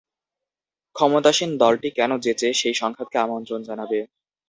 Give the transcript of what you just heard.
ক্ষমতাসীন দলটি কেন যেচে সেই সংঘাতকে আমন্ত্রণ জানাবে?